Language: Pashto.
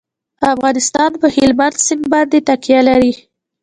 افغانستان په هلمند سیند باندې تکیه لري.